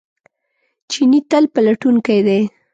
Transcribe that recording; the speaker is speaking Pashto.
چیني تل پلټونکی دی.